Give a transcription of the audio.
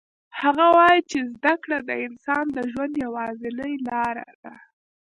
هغه وایي چې زده کړه د انسان د ژوند یوازینی لار ده